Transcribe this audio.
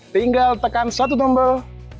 tinggal tekan satu tombol